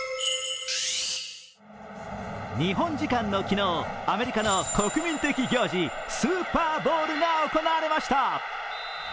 日本時間の昨日、アメリカの国民的行事、スーパーボウルが行われました。